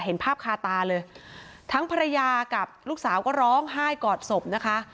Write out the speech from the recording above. เห็นภาพคาตาเลยทั้งภรรยากับลูกสาวก็ร้องไห้กอดศพนะคะ